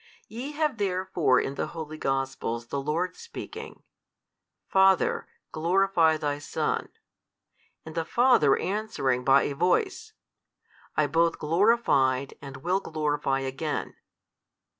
You have therefore in the holy Gospels the Lord speaking, Father, glorify Thy Son 2, and the Father answering by a voice, I both glorified, and will glorify again.